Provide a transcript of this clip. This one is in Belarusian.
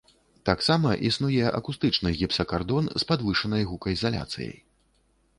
Таксама існуе акустычны гіпсакардон з падвышанай гукаізаляцыяй.